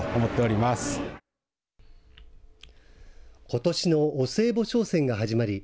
ことしのお歳暮商戦が始まり